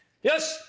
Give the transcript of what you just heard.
よし！